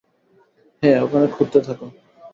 হ্যাঁ, ওখানে খুড়তে থাকো।